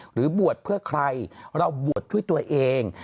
หรือบวชเพื่อใครเราบวชด้วยตัวเอง